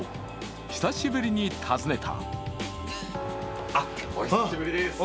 久しぶりに訪ねた。